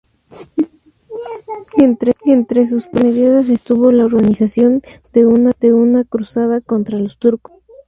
Entre sus primeras medidas estuvo la organización de una cruzada contra los turcos.